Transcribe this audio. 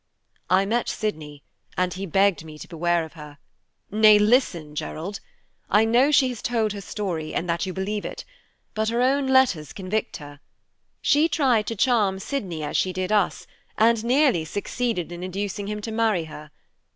"I met Sydney, and he begged me to beware of her. Nay, listen, Gerald! I know she has told her story, and that you believe it; but her own letters convict her. She tried to charm Sydney as she did us, and nearly succeeded in inducing him to marry her.